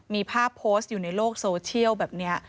มีภาพโพสต์อยู่ในโลกโซเชียลแบบนี้